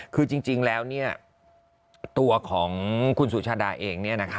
คือจริงแล้วตัวของคุณสุชาดาเอง